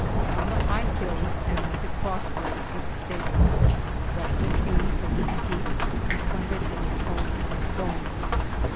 On the high hills and at the cross roads it stands, roughly hewn from mesquite and planted in a cone of stones.